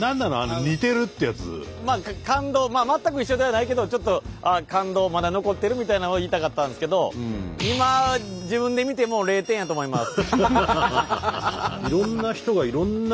まあ感動全く一緒ではないけどちょっと感動まだ残ってるみたいなのを言いたかったんですけど今自分で見ても０点やと思います。